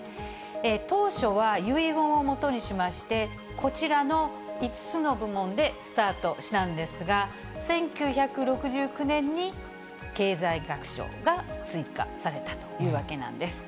当初は遺言をもとにしまして、こちらの５つの部門でスタートしたんですが、１９６９年に経済学賞が追加されたというわけなんです。